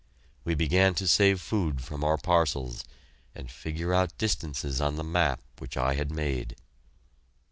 We began to save food from our parcels, and figure out distances on the map which I had made.